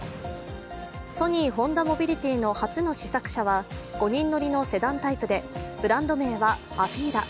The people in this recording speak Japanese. ソニー・ホンダモビリティの初の試作車は５人乗りのセダンタイプでブランド名はＡＦＥＥＬＡ。